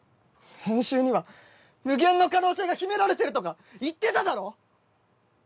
編集には無限の可能性が秘められてるとか言ってただろ！